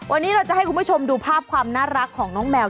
วันนี้เราจะให้คุณผู้ชมดูภาพความน่ารักของน้องแมว